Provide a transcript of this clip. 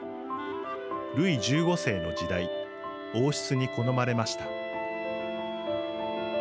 ルイ１５世の時代王室に好まれました。